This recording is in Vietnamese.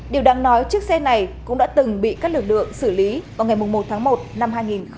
điều đáng nói chiếc xe này cũng đã từng bị các lực lượng xử lý vào ngày một tháng một năm hai nghìn hai mươi